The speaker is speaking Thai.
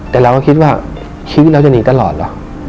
แต่เราก็คิดว่าชีวิตเราจะหนีตลอดเหรอ